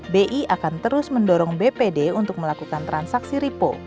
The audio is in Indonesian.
bi akan terus mendorong bpd untuk melakukan transaksi repo